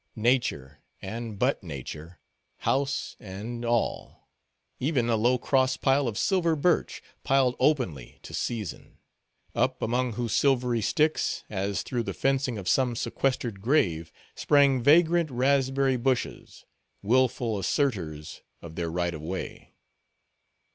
Nature, and but nature, house and, all; even a low cross pile of silver birch, piled openly, to season; up among whose silvery sticks, as through the fencing of some sequestered grave, sprang vagrant raspberry bushes—willful assertors of their right of way.